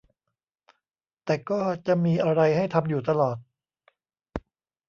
แต่ก็จะมีอะไรให้ทำอยู่ตลอด